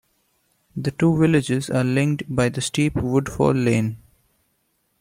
The two villages are linked by the steep Woodfall Lane.